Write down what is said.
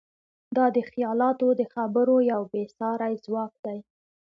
دا د خیالاتو د خبرو یو بېساری ځواک دی.